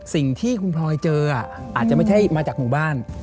สิ่งที่คุณพลอยเจออาจจะไม่ใช่มาจากหมู่บ้าน